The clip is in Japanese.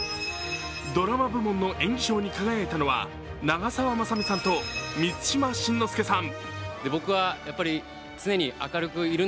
ドラマ部門の演技賞に輝いたのは長澤まさみさんと満島真之介さん。